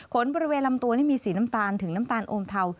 บริเวณลำตัวนี่มีสีน้ำตาลถึงน้ำตาลโอมเทา